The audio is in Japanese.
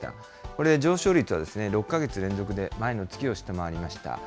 これで上昇率は６か月連続で前の月を下回りました。